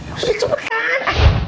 udah cepet kan